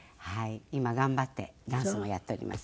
今頑張ってダンスをやっております。